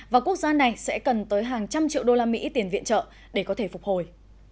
và quốc gia này sẽ cần tới hàng trăm triệu usd tiền viện trợ để có thể phục hồi